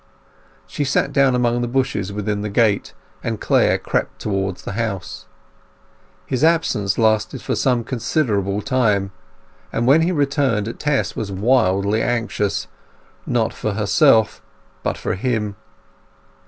She sat down among the bushes within the gate, and Clare crept towards the house. His absence lasted some considerable time, and when he returned Tess was wildly anxious, not for herself, but for him.